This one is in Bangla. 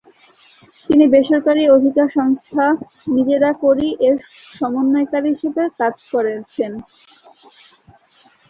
তিনি বেসরকারি অধিকার সংস্থা নিজেরা করি এর সমন্বয়কারী হিসাবে কাজ করেছেন।